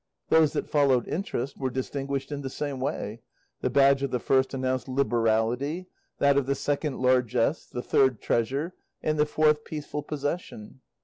Those that followed Interest were distinguished in the same way; the badge of the first announced "Liberality," that of the second "Largess," the third "Treasure," and the fourth "Peaceful Possession."